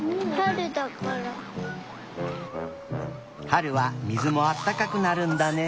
はるはみずもあったかくなるんだね。